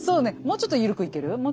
もうちょっとゆるくいける？